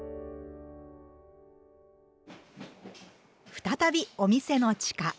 再びお店の地下。